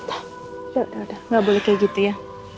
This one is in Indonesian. udah udah udah nggak boleh kayak gitu ya